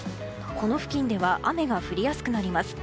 この付近では雨が降りやすくなります。